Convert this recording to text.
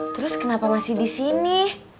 terus kenapa masih di sini